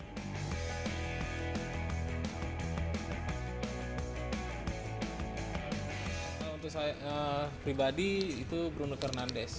untuk saya pribadi itu brunut fernandes